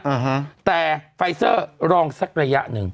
อ่าฮะแต่ไฟเซอร์รองสักระยะหนึ่ง